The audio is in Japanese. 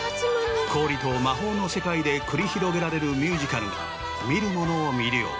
氷と魔法の世界で繰り広げられるミュージカルが見る者を魅了。